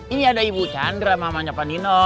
ini ada ibu chandra mamanya pak nino